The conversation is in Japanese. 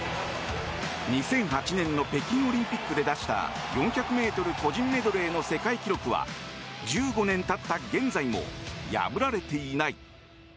２００８年の北京オリンピックで出した４００ｍ個人メドレーの世界記録は１５年経った現在も破られていない。